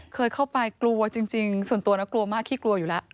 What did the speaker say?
เคยเข้าไปกลัวจริงส่วนตัวนะกลัวมากขี้กลัวอยู่แล้ว